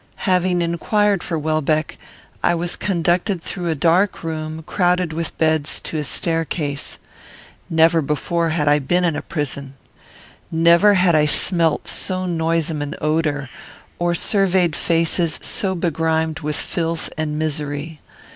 Having inquired for Welbeck, I was conducted through a dark room, crowded with beds, to a staircase. Never before had I been in a prison. Never had I smelt so noisome an odour, or surveyed faces so begrimed with filth and misery.